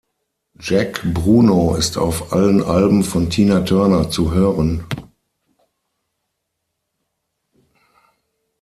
Jack Bruno ist auf allen Alben von Tina Turner zu hören.